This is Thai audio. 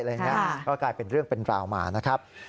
อะไรอย่างนี้ก็กลายเป็นเรื่องเป็นราวมานะครับ